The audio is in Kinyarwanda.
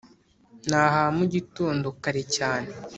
nahamugitondo kare cyane